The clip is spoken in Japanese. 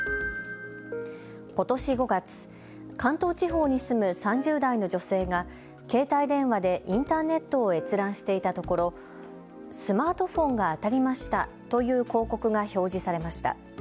ことし５月、関東地方に住む３０代の女性が携帯電話でインターネットを閲覧していたところスマートフォンが当たりましたという広告が表示されました。